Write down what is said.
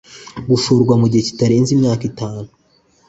Gushorwa mu gihe kitarenze imyaka itanu